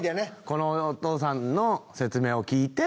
このお父さんの説明を聞いて。